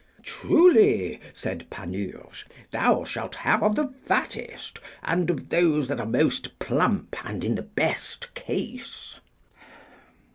Truly, said Panurge, thou shalt have of the fattest, and of those that are most plump and in the best case.